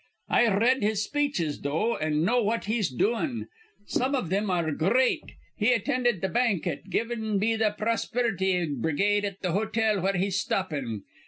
"I r read his speeches, though, an' know what he's doin.' Some iv thim ar re gr reat. He attinded th' banket given be th' Prospurity Brigade at th' hotel where he's stoppin'.